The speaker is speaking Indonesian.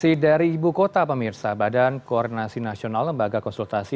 masih dari ibu kota pemirsa badan koordinasi nasional lembaga konsultasi